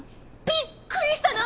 びっくりしたな！